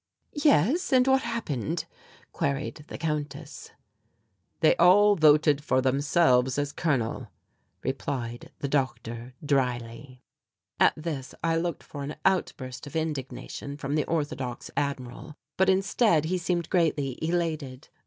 "Yes, and what happened?" queried the Countess. "They all voted for themselves as Colonel," replied the Doctor drily. At this I looked for an outburst of indignation from the orthodox Admiral, but instead he seemed greatly elated.